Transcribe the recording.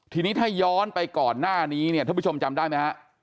ทีนี้ถ้าย้อนไปก่อนหน้านี้ถ้าผู้ชมจำได้ไหมครับ